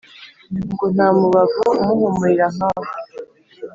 ngo ntamubavu umuhumurira nkawe